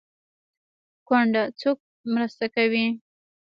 کونډه څوک مرسته کوي؟